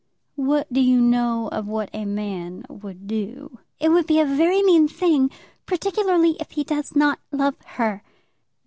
"What do you know of what a man would do?" "It would be a very mean thing; particularly if he does not love her."